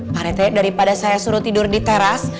panetic daripada saya suruh tidur di teras